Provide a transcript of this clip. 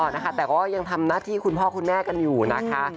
นะคะแต่ก็ยังทำหน้าที่คุณพ่อคุณแม่กันอยู่นะคะ